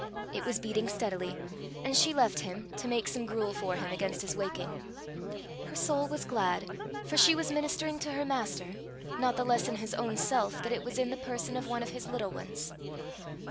It was beating steadily, and she left him, to make some gruel for him against his waking. Her soul was glad, for she was ministering to her Master, not the less in his own self, that it was in the person of one of his little ones.